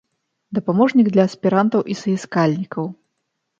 Дапаможнік для аспірантаў і саіскальнікаў.